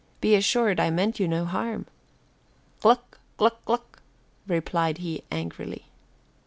Be assured I meant you no harm." "Gluck, gluck, gluck," replied he angrily.